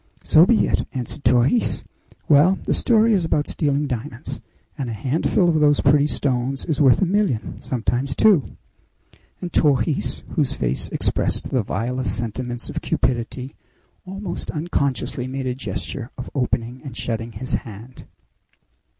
"So be it," answered Torres. "Well, the story is about stealing diamonds, and a handful of those pretty stones is worth a million, sometimes two!" And Torres, whose face expressed the vilest sentiments of cupidity, almost unconsciously made a gesture of opening and shutting his hand.